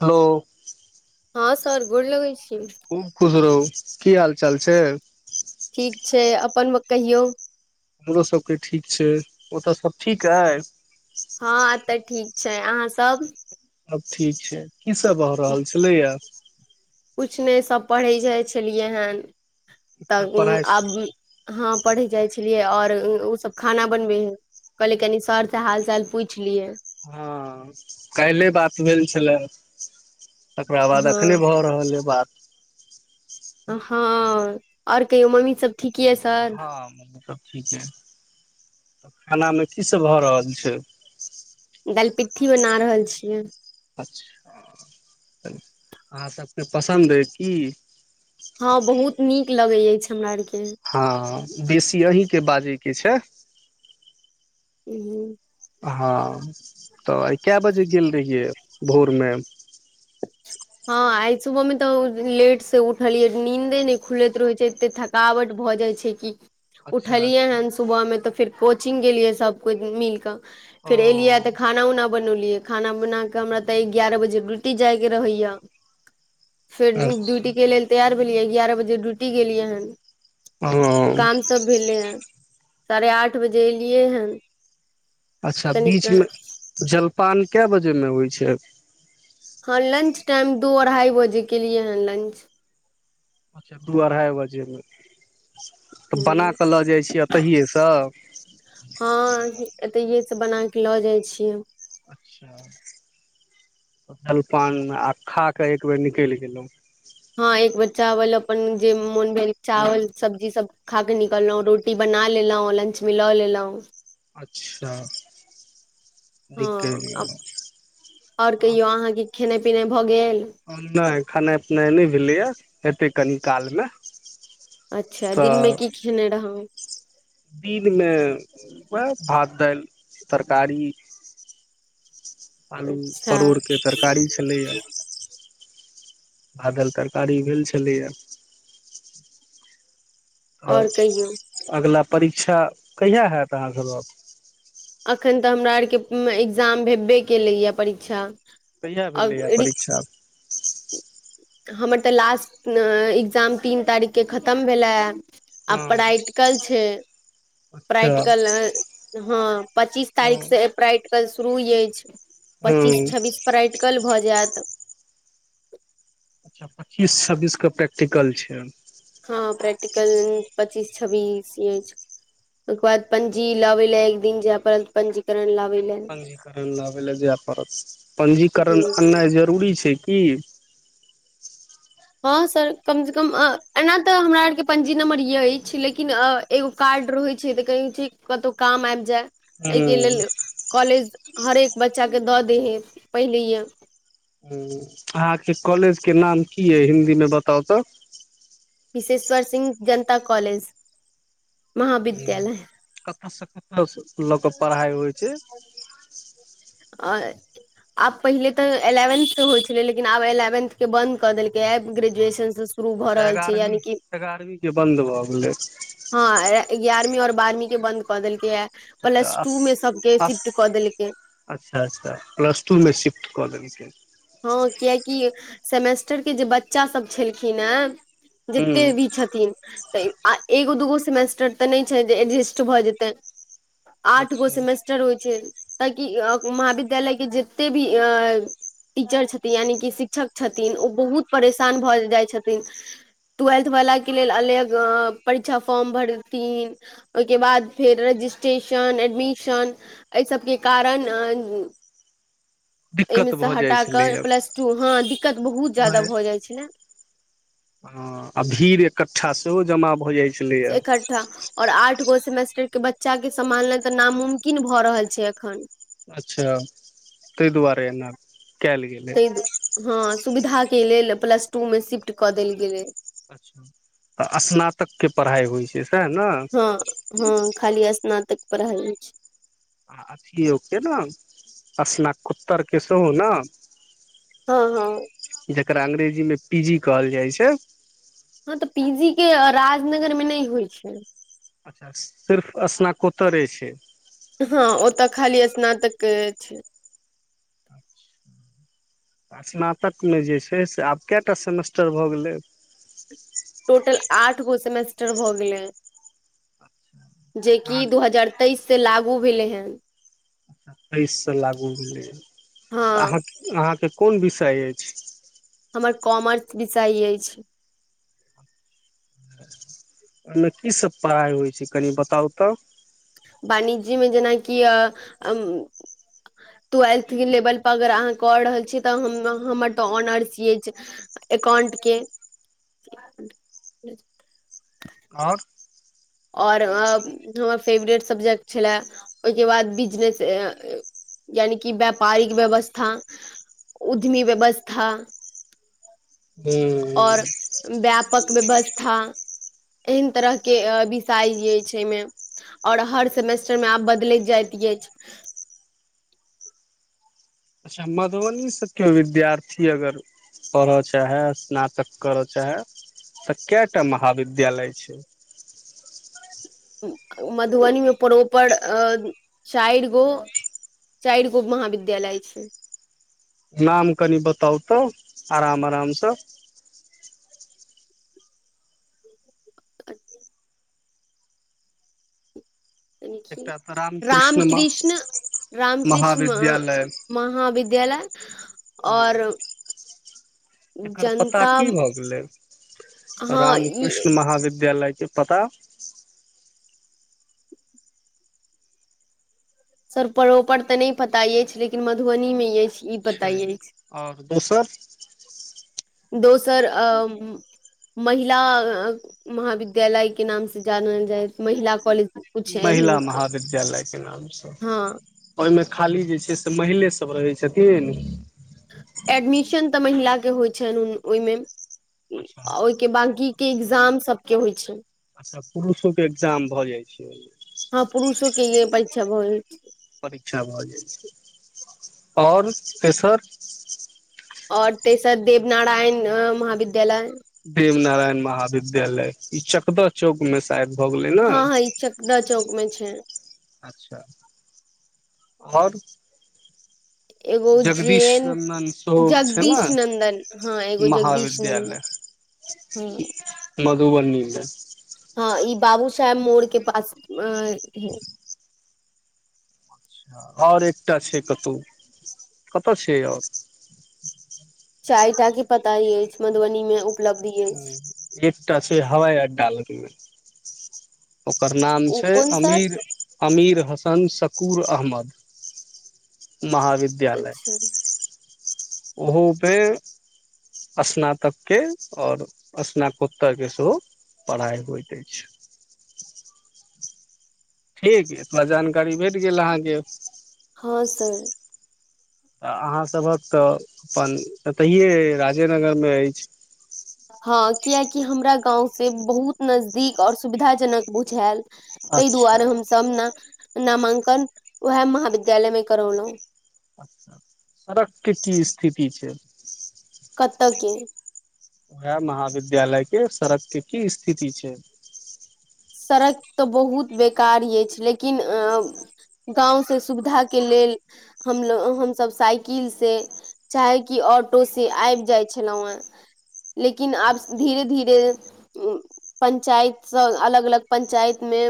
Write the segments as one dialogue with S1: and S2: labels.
S1: हलो
S2: हां सर गोर लगैइ छी
S1: खूब खुश रहु की हाल चाल छैइ
S2: ठीक छै अपन कहियौ
S1: हमरो सबके ठीक छैइ ओतय सब ठीक अइ
S2: हँ तऽ ठीक छै अहाँ सब
S1: सब ठीक छैइ की सब भऽ रहल छलैए
S2: कुछ नई सब पढ़ैइ जाइ छलियै हन
S1: अच्छा
S2: तऽ
S1: पढ़ाइ
S2: आब हां पढ़ैइ जाइ छलियै और ओसब खाना बनबै ह कहलि कनि सर से हाल चाल पूछि लियै
S1: हां काल्हि बात भेल छलै तकरा बाद अखने
S2: हँ
S1: भऽ रहल य बात
S2: हँअ् और कहियो मम्मी सब ठीक ये सर
S1: हँ मम्मी सब ठीक ह तऽ खाना में की सभ भऽ रहल छैइ
S2: दल पिट्ठी बना रहल छियै
S1: अच्छा अहाँ सबके पसन्द अइ की
S2: हँअ् बहुत नीक लगैत अछि हमरा आरके
S1: हँ बेसी अहीँके बाजयके छैइ
S2: हूंअ्
S1: हां तऽ आई कए बजे गेल रहियै भोर में
S2: हां आइ सुबह में तऽ लेट से उठलिअई नींन्दे नई खुलैत रहैइ छैइ एते थकावट भ भ जाय छैइ कि
S1: अच्छा
S2: उठलियै
S1: अच्छा
S2: हन सुबह मे तऽ फेर कोचिंग गेलियै सब कोई मिलक फेर एलिअइ
S1: ओ
S2: त खाना ऊना बनौलियै खाना बना क हमरा तऽ ग्यारह बजे ड्यूटी जायके रहैया फेर
S1: अच्छा
S2: ड्यूटीके लेल तैयार भेलियै एगारह बजे ड्यूटी गेलियै हन
S1: हँ
S2: काम सब भेलै हे साढ़े आठ बजे एलियै हन
S1: अच्छा
S2: कनि
S1: बीच में जलपान कए बजे में होइ छैइ
S2: हां लंच टाइम दू अढ़ाई बजे केलिअई ह लंच
S1: अच्छा दू अढ़ाई बजे में तऽ बना
S2: हूँ
S1: कऽ लऽ जाइ छीयै एतहिएसँ
S2: हँअ् एतऽहीए से सब बना कऽ लऽ जाइ छियै
S1: अच्छा जलपान मे आ खा के एक बेेर निकलि गेलहुं
S2: हँ एक बेर चावल अपन जे मोन भेल चावल सब्जी सब खा के निकललो रोटी बना लेलो लं में लेलहुँ
S1: अच्छा
S2: हँ
S1: निकलि गेलहुँ
S2: आओर कहियो अहाँके खेने पिना भऽ गेल
S1: नहि खेनाइ पिनाइ नहि भेलैएा हेतै कनि कालमे
S2: अच्छा दिनमें
S1: तऽ
S2: की खेने रहूँ
S1: दिनमे उएह भात दालि तरकारी आलू
S2: अच्छा
S1: परोड़के तरकारी छलैए भादल तरकारी भेल छलैए हँ
S2: आओर कहियौ
S1: अगिला परीक्षा कहिया हैत अहाँके गप
S2: अखन तऽ हमरा आरके एकग्जाम भेबे केलैए परीक्षा
S1: कहिआा भेलैए
S2: आओर
S1: परीक्षा
S2: हमर तऽ लास्ट एकग्जाम तीन तारीखके खतम भेलै आ
S1: हँ
S2: प्रा्टिकल छै
S1: अच्छा
S2: प्रै्टिकल हँ पच्चीस तारीख से प्रा्टिकल कल शुरू य पच्चीस
S1: हूँ
S2: छब्बीस प्रइ कल भऽ जायत
S1: अच्छा पच्चीस छब्बीसके प्रैक्टिकल छै
S2: प्रै्टिकल पच्चीस छब्बीस यछ ओ बाद पञजी लगै ल एक दिन ज पर पञजीकरण ल
S1: पञ्जीकरण लाबय लए जाय पड़त पञजीकरण अननाइ जरूरी छै। की
S2: हँ सर कम से कम एना तऽ हमरा आरके पंजी नम्बर य अछि लेकिन एगो कार रहे छै तऽ कही छै। कतौ काम आबि जाय
S1: हूँ
S2: एहिके लेल कॉलेज हरेक बच्चाके दऽ दै हइ पहिले यए
S1: ह अहाँके कॉलेजके नाम की यइ हिंन्दीमे बताउ तऽ
S2: विशेश्वर सिंह जनता कॉलेज
S1: ह
S2: महाविद्यालय
S1: कतयसँ कतय लोकके पढ़ाइ होइ छै।
S2: आ आब पहिले तऽ एलेवेन्थ होइत छलै लिन आब एलेवेंथ के बंन्द कऽ देलकै ग्रेजुएशन से शुरू भऽ रहल छै। यानि कि
S1: एगारहवीं के बन्द भऽ गेलै
S2: हँ एगारह बारहवीं और बारहवीं के बन्द कऽ देलकै ह प्लस टू मे सबके शिफ्ट कऽ देलकै
S1: अच्छा अच्छा क्लस टू मे शिफ्ट कऽ देल
S2: हँ कियकि सेमेस्टर के जे बच्चासभ छलखिन हेँ
S1: हूँ
S2: जते भी छथिन तऽ एगो दूगो सेमेस्टर तऽ नहि छै जे एडजेस्ट भऽ जेतै आठ गो सेमेस्टर होइ छै ताकि महाविद्यालय के जते भी अ टीचर छथिन यानिकि शिक्षक छथिन ओ बहुत परेशान भऽ जाइत छथिन टूवेल्थ वालाक के लेल अलग परीक्षा फॉर्म भरथिन ओहिके बाद फेर रजिस्ट्रेसन एडमिशन अइ सब के कारण एहिमे
S1: दिक्कत
S2: से
S1: भऽ जाइत
S2: हटा
S1: छै
S2: प्लस टू हँ दिक्कत बहुत जाादा भऽ जाइ छले
S1: ह आ भीड़ एकठ्ठा सेहो जमा भऽ जाइ छलैए
S2: इकठ्ठा आऔ आठ गो से सेमेस्टर के बच्चा के समालनाइ तऽ नामुमकिन भऽ रहल छै एखन
S1: अच्छा ताहि दुआरे ऐना
S2: ताहि हँ सुविधाके लेल प्लस टू मे शिफ्ट कऽ देल गेलै
S1: अच्छा तऽ स्नातक के पढ़ाइ होइ छै सएह ने आ
S2: हँ हँ खाली स्नातक पढ़इ छै
S1: आ अथिियओके ने स्नत्तरके सेहो ने
S2: हँ हँ
S1: जकरा अंग्रेजी मे पी जी कहल जाइ छै
S2: पी जी के राजनगर मे नहिं होइ छै
S1: अच्छा सिर्फ स्नाकोत्तरे छै
S2: हँ ओतऽ खाली स्नातक छै
S1: स्नातक में जे छै से आब क्या टा सेमेस्टर भऽ गेलै
S2: टोटल आठ गो सेमेस्टर भऽ गेलै जेकि दु हजार तेइस सँ लागू भेलै हेन
S1: अच्छा तेइस से लागू भेलैऽ
S2: हँ
S1: अहाँ अहाँ के कोन विषय अछि
S2: हमर कॉमर्स विषय अछि छै
S1: ओहि में की सब पढ़ाइ होइ छै कनि बताउ तऽ
S2: वाणिज्य मे जेना कि अ ट्एल्थ लेवल पर अगर अहाँ कऽ रहल छीयै तऽ हमर तऽ ऑनर्स अछि एकाउंट के [inaudible]
S1: आ और
S2: आ और हमर फेवरेट सब्जेक्ट छलए ओ हिके बाद बिजनेस यानि कि व्यापारिक व्यवस्था उद्यमी व्यवस्था
S1: हू
S2: और व्यापक व्यवस्था एहन तरह के बि आ और हर सेमेस्टर मे आब बदल जाइत अछि
S1: अच्छा मधुबनी से ओ न क्यों विद्यार्थी अगर पढ़य चाहय स्नातक करय चाहैए तऽ क्या टा महाविद्यालय छै
S2: मधुबनी में प्रॉपर पर अ चाइर गो चारि गो महाविद्यालय छै
S1: नाम कनि बताउतहु तऽ आराम आरामसँ एकटा तऽ
S2: राम
S1: रामकृष्ण
S2: कृष्ण रामकृष्ण
S1: महाविद्यालय
S2: महाविद्यालय आ
S1: हँ
S2: और
S1: एकर पता
S2: जनता
S1: की भऽ गेलै
S2: हँ ई
S1: रामकृष्ण महाविद्यालय इ पता
S2: सर प्रॉपर तऽ नहि पता अछि लेकिन मधुबनी में अछि ई पता
S1: छै
S2: अछि
S1: आ और दोसर
S2: दोसर अ महिला महाविद्यालय के नाम से जानल जाय महिला कॉलेज कुछ
S1: महिला
S2: एहन
S1: महाविद्यालय के नाम छै
S2: हँ
S1: ओहि में खाली जे छै से महिले सब रहै छथिन
S2: एडमिशन तऽ महिला के होइ छनि ओहि में
S1: अच्छा
S2: ओहि के बाकी कि एग्जाम सब के होइ छैन
S1: अच्छा पुरुषो के एक्जाम भऽ जाइ छै
S2: कि ये परिक्षा भऽ छै
S1: परीक्षा भऽ जाइ छै आ और तेसर
S2: और तेसर देवनारायण महाविद्य
S1: देव नारायण महाविद्यालय ई चकद चौक में शायद भऽ गेलै
S2: हँ
S1: ने
S2: हँ ई चकदा चौक मे छै
S1: अच्छा आ और
S2: एगो
S1: जगदीश
S2: जेन
S1: नन्दन सेहो छै
S2: जगदीश
S1: ने
S2: नन्दन हँ एगो जगदीश नन्दन
S1: महाविद्यालय
S2: हँ
S1: मधुबनी में
S2: शै मोड़ के पास अ है
S1: ओर एकटा छै कतहु कतऽ छै ओर
S2: चायटा के पता अछि मधुबनी मे उपलब्धि अछि
S1: ह एकटा छै हवा आड्डआ लग मे ओकर नाम
S2: ओ
S1: छै
S2: कोन सर
S1: अमीर अमिर हसन शकूर अहमद महाविद्यालय
S2: अच्छा
S1: उहो मे स्नातक के और स्नातकोत्तर के सेहो पढ़ाइ होइत अछि
S2: [inaudible]
S1: ठीक इतना जानकारी भेट गेल अहाँके
S2: हँ सर
S1: तऽ अहाँसभक तऽ अपन एतहिए राजेनगरमे अछि
S2: हँ कियाकि हमरा गाँंव से बहुत नजदीक और सुविधाजनक बुझायल तै
S1: अच्छा
S2: दुआरे हम सब न नामांकन उहे महाविद्यालय मे करौलौं
S1: अच्छा सरक के की स्थिति छै
S2: कत्त के
S1: उहे महाविद्यालय के सड़क के की स्थिति छै
S2: सड़क तऽ बहुत बेकार एछि लेकिन अ गाँव से सुविधाके लेल हमसभ साइकिल से चाहे कि ऑटो स आबि जाइ छलहुँ हेँ लेकिन आब धीरे धीरे पन्चायत सँ अलग अलग पंचायत मे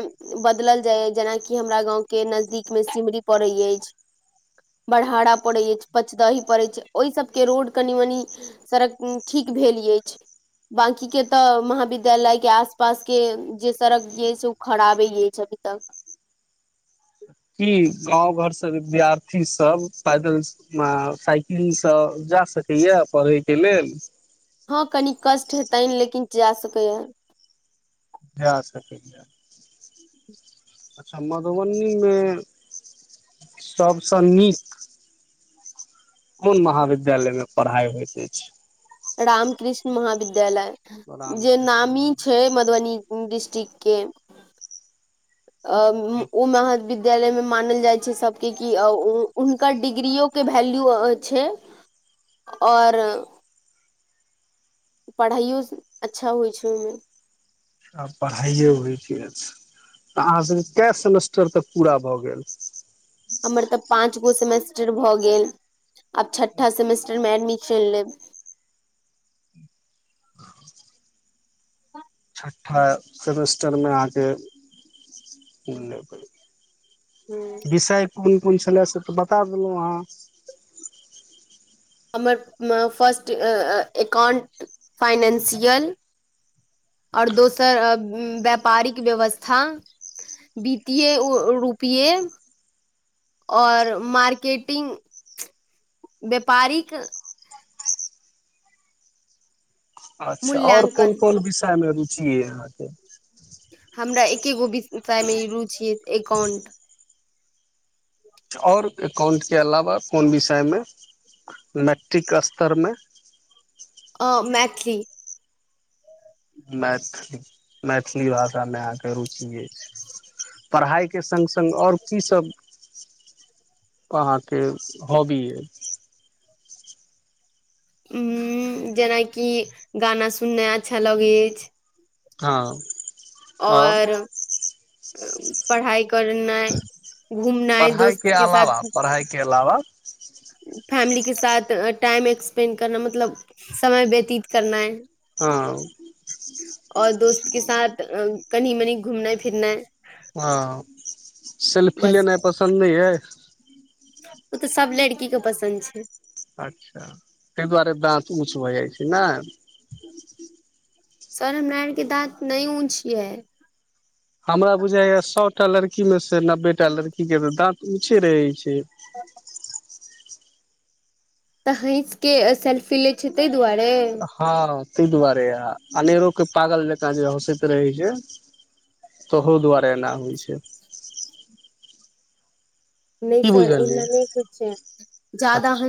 S2: बदलल जाय य जेनाकी हमरा गांव के नजदीक में सिमरी पड़े ये [inaudible] बराहारा पड़ैत अछि पचदही पड़ैत छै ओहि सबके रोड कनि मनी सड़क ठीक भेल अछि बाकी के त महविदायल के आस पास के त जे सड़क जे छै ओ खराबे यछै अभी तक
S1: की गाँव घर से विद्यार्थी सब पैदल साइकिल सँ जा सकैया पढ़यइ के लेल
S2: हँ कनि कष्ट हेतनि लेकिन जा सकैए
S1: जा सकऽइया अच्छा मधुबनी नमे सभसँ नीक कोन महाविद्यालय मे पढ़ाइ होइत अछि
S2: रामकृष्ण महाविद्यालय जे
S1: रामकृष्ण
S2: नामी
S1: महाविद्यालय
S2: छै मधुबनी डिस्ट्रिक्ट के अ ओ महा विद्यालय मे मानल जाइ छै सबके कि हुनकर डिग्रियो के वैल्यू छै आओर पढ़ाइओ अच्छा होइ छै ओहिमे
S1: आब पढ़ाइए होइत छै अच्छा तऽ अहाँसब के कए सेमेस्टर तक पूरा भऽ गेल
S2: हमर तऽ पाँच गो सेमेस्टर भऽ गेल आब छठा सेमेस्टर मे एडमी शन लेब
S1: छठा सेमेस्टर मे अहाके लेबई
S2: हँ
S1: कोन कोन छले से तऽ बता देलौं अहाँ
S2: हमर फर्स्ट अ एकाउंट फाइनेंशियल आओर दोसर व्यापारिक व्यवस्था बीतिए ओ रूपए आओर मार्केटिंग व्यापारिक
S1: अच्छा और कोन
S2: मूल्यांकन
S1: कोन विषय मे रुचि अइ अहाँके
S2: हमरा एक्के गो विषय मे रुचि ऐ एकाउंट
S1: आओर एकाउंट के अलावा कोन विषय मे मैट्टिक स्तर मे
S2: की
S1: मैथिली मैथिली भाषा मे आहां के रूची अछि पढ़ाई के संग संग आओर कि सब अहाँ के हॉबी अइ
S2: उं जेना कि गाना सुननाइ अच्छा लगै अछि
S1: हँ
S2: आओर पढ़ाइ पढ़नाइ
S1: पढ़ाइ के अलावा पढ़ाइ के अलावा
S2: फैमिली के साथ टाइम एक्सपेंड करना मतलब समय व्यतीत करनाई
S1: हँ
S2: और दोस्त के साथ कनी मनी घुमनाइ फिरनाइ
S1: हां सेल्फी
S2: बस
S1: लेनाइ पसन्द नई अइ
S2: ओ तऽ सब लड़की के पसन्द छैइ
S1: अच्छा तै दुआरे दाँत ऊँच भऽ जाइ छै ना
S2: सर हमरा आर के दांत नै ऊँच छियै
S1: हमरा बुझाइये सौ टा लड़की मे से नब्बे टा लड़की के तऽ दाँत ऊँचे रहै छै से
S2: तऽ हैँस कऽ सेल्फी लै छै तै दुआरे
S1: तै दुआरे आ अनेरो के पागल जकाँ जे हँसैत रहै छै तहू दुआरे एना होइ छै
S2: नै
S1: की
S2: सर
S1: बुझलियै
S2: एना नहि होइ छै जादा
S1: अच्छा
S2: हंस